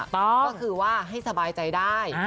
ก็คือว่าให้สบายใจได้